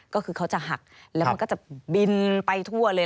ก็คือเขาจะหักแล้วมันก็จะบินไปทั่วเลย